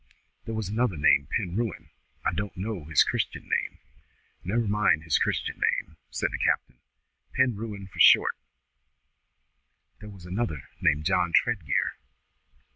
"There was another named Penrewen. I don't know his Christian name." "Never mind his Chris'en name," said the captain; "Penrewen, for short." "There was another named John Tredgear."